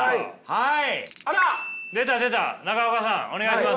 はい？